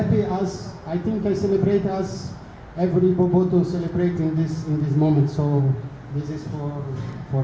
saya sangat senang karena saya pikir saya merayakan kita semua setiap orang yang merayakan saat ini